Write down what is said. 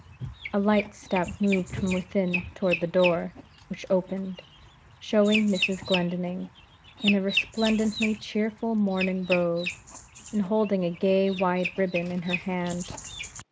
A light step moved from within toward the door; which opened, showing Mrs. Glendinning, in a resplendently cheerful morning robe, and holding a gay wide ribbon in her hand.